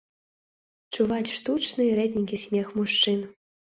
Чуваць штучны рэдзенькі смех мужчын.